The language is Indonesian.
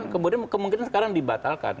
kemudian kemungkinan sekarang dibatalkan